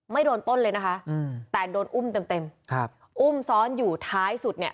โดนต้นเลยนะคะอืมแต่โดนอุ้มเต็มเต็มครับอุ้มซ้อนอยู่ท้ายสุดเนี่ย